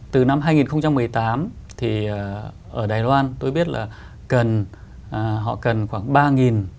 từ năm hai nghìn một mươi tám thì ở đài loan tôi biết là họ cần khoảng ba